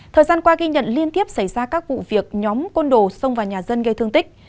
thời gian qua ghi nhận liên tiếp xảy ra các vụ việc nhóm côn đồ xông vào nhà dân gây thương tích